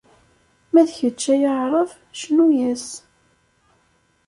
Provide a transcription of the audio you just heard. Ma d kečč, ay Aεrab, cnu-yas.